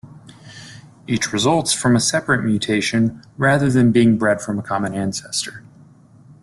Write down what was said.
Each results from a separate mutation rather than being bred from a common ancestor.